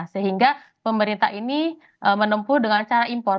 sehingga pemerintah ini menempuh dengan cara impor